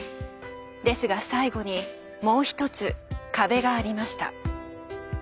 ですが最後にもう一つ「壁」がありました。